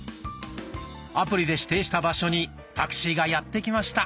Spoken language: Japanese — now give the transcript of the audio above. アプリで指定した場所にタクシーがやって来ました。